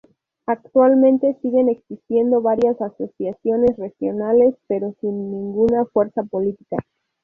Actualmente siguen existiendo varias asociaciones regionales, pero sin ninguna fuerza política.